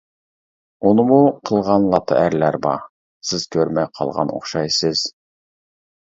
ئۇنىمۇ قىلغان لاتا ئەرلەر بار، سىز كۆرمەي قالغان ئوخشايسىز.